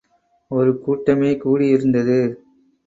ஒரு கூட்டமே கூடியிருந்தது.